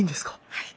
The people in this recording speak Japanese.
はい。